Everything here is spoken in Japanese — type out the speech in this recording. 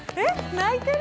泣いてる？